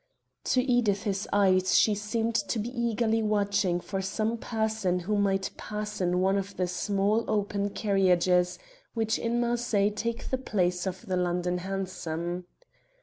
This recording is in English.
To Edith's eyes she seemed to be eagerly watching for some person who might pass in one of the small open carriages which in Marseilles take the place of the London hansom.